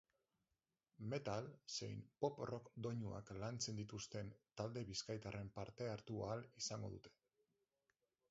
Metal zein pop-rock doinuak lantzen dituzten talde bizkaitarren parte hartu ahal izango dute.